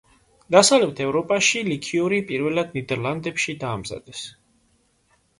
დასავლეთ ევროპაში ლიქიორი პირველად ნიდერლანდებში დაამზადეს.